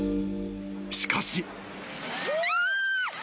しかし。